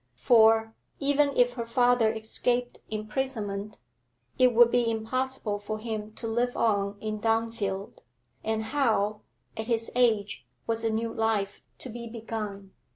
For, even if her father escaped imprisonment, it would be impossible for him to live on in Dunfield, and how, at his age, was a new life to be begun?